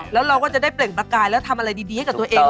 แล้วเราก็จะได้เปล่งประกายแล้วทำอะไรดีให้กับตัวเอง